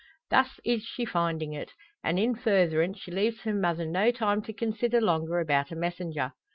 Thus is she finding it; and in furtherance she leaves her mother no time to consider longer about a messenger.